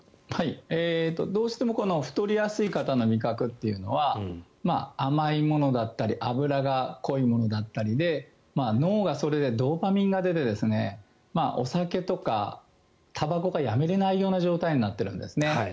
どうしても太りやすい方の味覚っていうのは甘いものだったり油が濃いものだったりで脳がそれでドーパミンが出てお酒とかたばこがやめれないような状態になっているんですね。